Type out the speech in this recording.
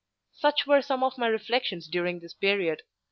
Such were some of my reflections about this period.